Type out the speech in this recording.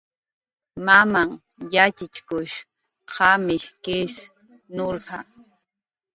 Mamanh yatxichkush qamish kis nurja.